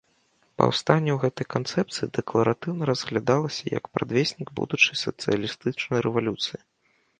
Паўстанне ў гэтай канцэпцыі дэкларатыўна разглядалася як прадвеснік будучай сацыялістычнай рэвалюцыі.